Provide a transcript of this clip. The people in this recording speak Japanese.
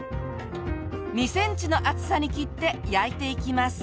２センチの厚さに切って焼いていきます。